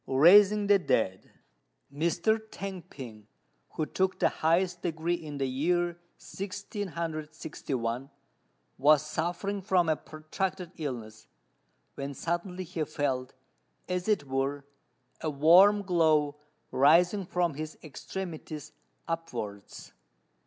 RAISING THE DEAD. Mr. T'ang P'ing, who took the highest degree in the year 1661, was suffering from a protracted illness, when suddenly he felt, as it were, a warm glow rising from his extremities upwards.